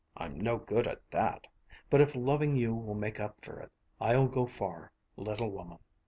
I'm no good at that. But if loving you will make up for it, I'll go far, little woman."